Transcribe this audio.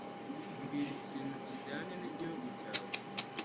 Mbwira ikintu kijyanye n'igihugu cyawe.